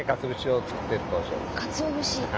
かつお節。